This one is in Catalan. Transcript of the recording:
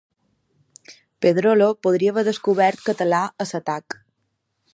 Pedrolo podria haver descobert Català a l'atac!